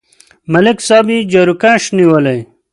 ملک صاحب یې جاروکش نیولی.